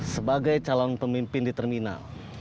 sebagai calon pemimpin di terminal